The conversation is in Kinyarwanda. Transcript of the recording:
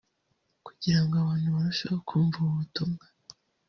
kugira ngo abantu barusheho kumva ubu butumwa